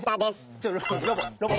ちょロボロボロボ。